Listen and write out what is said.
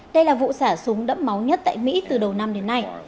đây là vụ xả súng đẫm máu nhất tại mỹ từ đầu năm đến nay